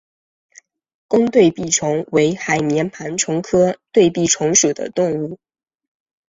弓对臂虫为海绵盘虫科对臂虫属的动物。